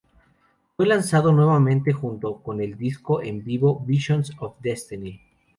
Fue lanzado nuevamente junto con el disco en vivo Visions of Destiny.